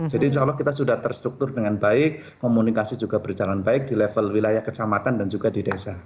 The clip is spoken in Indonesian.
jadi insya allah kita sudah terstruktur dengan baik komunikasi juga berjalan baik di level wilayah kecamatan dan juga di desa